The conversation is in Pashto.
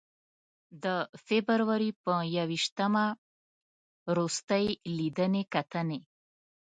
د فبروري په ی ویشتمه روستۍ لیدنې کتنې.